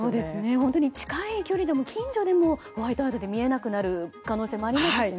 本当に近い距離、近所でもホワイトアウトで見えなくなる可能性もありますしね。